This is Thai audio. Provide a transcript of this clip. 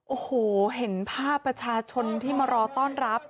โอ้โหเห็นภาพประชาชนที่มารอต้อนรับ